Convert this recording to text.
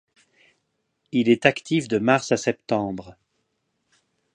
Il est actif de mars à septembre.